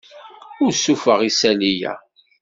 Ur ssuffuɣ isali-a.